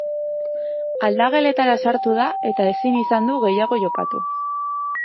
Aldageletara sartu da eta ezin izan du gehiago jokatu.